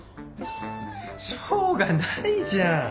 しょうがないじゃん！